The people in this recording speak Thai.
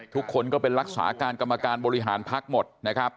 ทุกคนก็เป็นรักษาการกรรมการบริหารพักหมดนะครับ